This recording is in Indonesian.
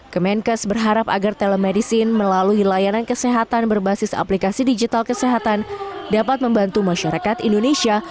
kemenkes berharap agar telemedicine melalui layanan kesehatan berbasis aplikasi digital kesehatan dapat membantu masyarakat indonesia